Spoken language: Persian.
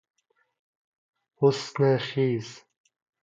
حسن خیز